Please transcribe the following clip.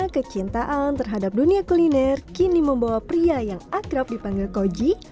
kecintaan terhadap dunia kuliner kini membawa pria yang akrab dipanggil koji